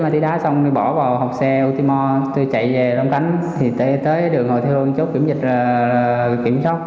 tôi chạy về long khánh tới đường hồi thương chốt kiểm soát